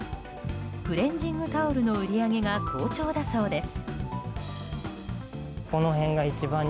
クレンジングタオルの売り上げが好調だそうです。